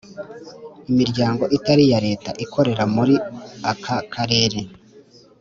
Imiryango itari iya Leta ikorera muri muri aka karere